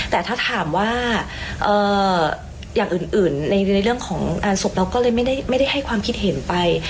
แต่ถ้าถามว่าอย่างอื่นในเรื่องของงานศพเราก็เลยไม่ได้ให้ความคิดเห็นไป